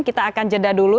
kita akan jeda dulu